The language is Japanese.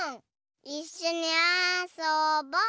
いっしょにあそぼ！